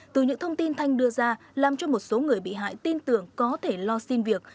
từ những thông tin thanh đưa ra làm cho một số người bị hại tin tưởng có thể lo xin việc